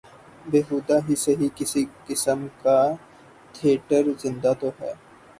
بیہودہ ہی سہی کسی قسم کا تھیٹر زندہ تو ہے۔